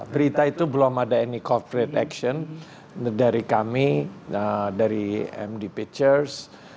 berita itu belum ada any corporate action dari kami dari md pictures